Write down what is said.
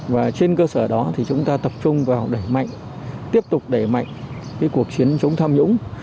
và trên cơ sở đó thì chúng ta tập trung vào đẩy mạnh tiếp tục đẩy mạnh cái cuộc chiến chống tham nhũng